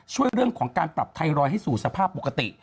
ช่วยเรื่องของการปรับไทรอยด์ให้สู่สภาพปกติ